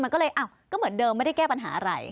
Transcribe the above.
มันก็เลยก็เหมือนเดิมไม่ได้แก้ปัญหาอะไร